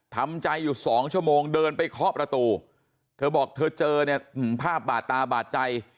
ทำใจอยู่สองชั่วโมงเดินไปเคาะประตูเธอบอกเธอเจอเนี่ยภาพบาดตาบาดใจ